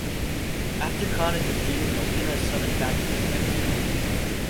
After Kahn is defeated, Mileena is summoned back to the Netherealm.